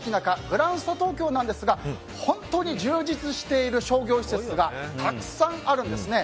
グランスタ東京ですが本当に充実している商業施設がたくさんあるんですね。